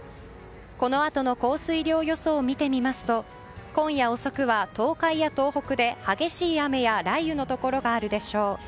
このあとの降水量予想を見てみますと今夜遅くは東海や東北で激しい雨や雷雨のところがあるでしょう。